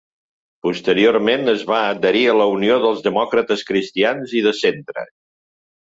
Posteriorment es va adherir a la Unió dels Demòcrates Cristians i de Centre.